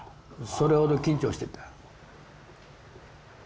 それほど緊張してた。